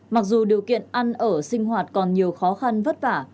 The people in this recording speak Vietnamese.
mặc dù điều kiện ăn ở sinh hoạt còn nhiều khó khăn vất vả